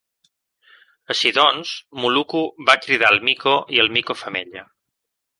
Així doncs, Muluku va cridar el mico i el mico femella.